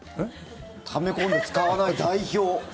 ため込んで使わない代表。